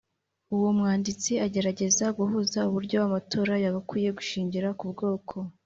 uwo mwanditsi agerageza guhuza uburyo amatora yagakwiye gushingira ku bwoko